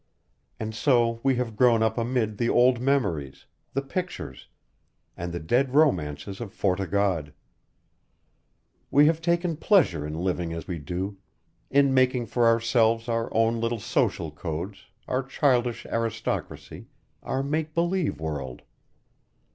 And so we have grown up amid the old memories, the pictures, and the dead romances of Fort o' God. We have taken pleasure in living as we do in making for ourselves our own little social codes, our childish aristocracy, our make believe world.